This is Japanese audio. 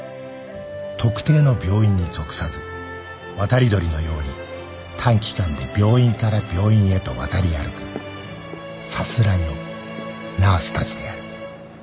特定の病院に属さず渡り鳥のように短期間で病院から病院へと渡り歩くさすらいのナースたちである